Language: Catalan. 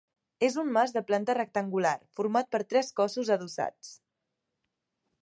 És un mas de planta rectangular format per tres cossos adossats.